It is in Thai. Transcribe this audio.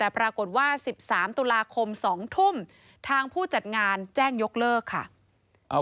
แต่ปรากฏว่า๑๓ตุลาคม๒ทุ่มทางผู้จัดงานแจ้งยกเลิกค่ะ